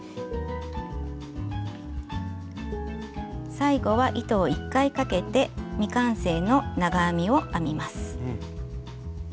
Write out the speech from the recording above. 最後は糸を１回かけて未完成の長編みを編みます。